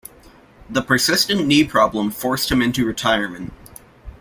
The persistent knee problem forced him into retirement.